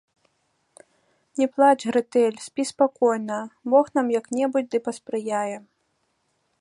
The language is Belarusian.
- Не плач, Грэтэль, спі спакойна, Бог нам як-небудзь ды паспрыяе